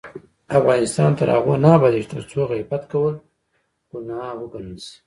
افغانستان تر هغو نه ابادیږي، ترڅو غیبت کول ګناه وګڼل شي.